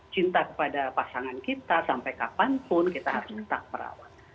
cinta kepada pasangan kita sampai kapanpun kita harus tetap merawat